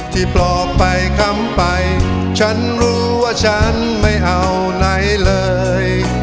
ปลอบไปค้ำไปฉันรู้ว่าฉันไม่เอาไหนเลย